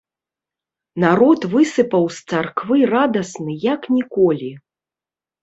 Народ высыпаў з царквы радасны як ніколі.